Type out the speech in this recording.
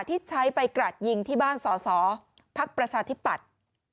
ที่ใช้ไปกราดยิงที่บ้านสอสอพักประชาธิปัตย์